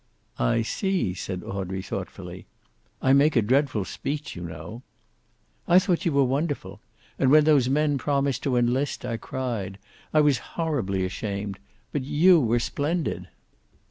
"I see," said Audrey, thoughtfully. "I make a dreadful speech, you know." "I thought you were wonderful. And, when those men promised to enlist, I cried. I was horribly ashamed. But you were splendid."